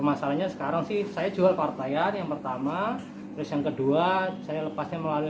masalahnya sekarang sih saya jual partaian yang pertama terus yang kedua saya lepasnya melalui